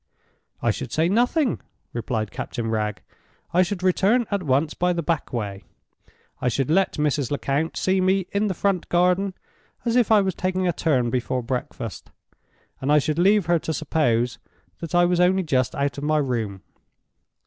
"I should say nothing," replied Captain Wragge. "I should return at once by the back way; I should let Mrs. Lecount see me in the front garden as if I was taking a turn before breakfast; and I should leave her to suppose that I was only just out of my room.